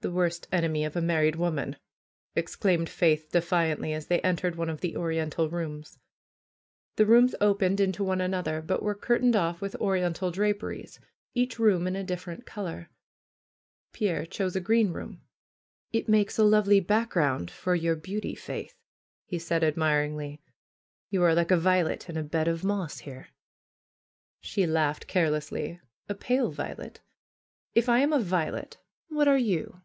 "The worst enemy of a married woman !" exclaimed Faith defiantly, as they entered one of the Oriental rooms. The rooms opened into one another; but were cur tained off with Oriental draperies ; each room in a dif ferent color. Pierre chose a green room. "It makes a lovely background for your beauty. Faith," he said admiringly. "You are like a violet in a bed of moss here." 242 FAITH She laughed carelessly. pale violet! If I am a violet, what are you?